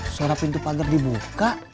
suara pintu pagar dibuka